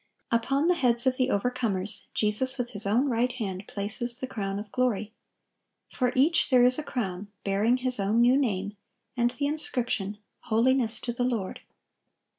Upon the heads of the overcomers, Jesus with His own right hand places the crown of glory. For each there is a crown, bearing his own "new name,"(1118) and the inscription, "Holiness to the Lord."